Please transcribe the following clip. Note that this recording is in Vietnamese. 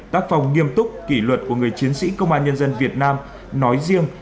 tác phòng nghiêm túc kỷ luật của người chiến sĩ công an nhân dân việt nam nói riêng